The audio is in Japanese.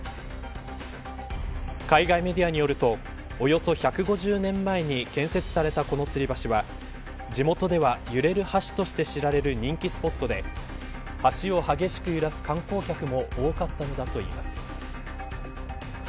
海外メディアによるとおよそ１５０年前に建設されたこのつり橋は地元では揺れる橋として知られる人気スポットで橋を激しく揺らす観光客も多かったといいます。